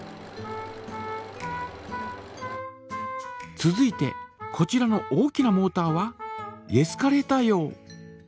続いてこちらの大きなモータはエスカレーター用。